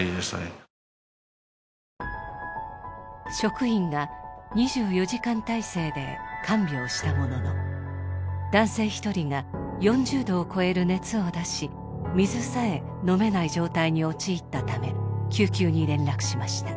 職員が２４時間態勢で看病したものの男性１人が４０度を超える熱を出し水さえ飲めない状態に陥ったため救急に連絡しました。